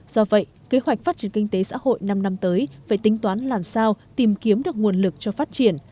do vậy kế hoạch phát triển kinh tế xã hội năm năm tới phải tính toán làm sao tìm kiếm được nguồn lực cho phát triển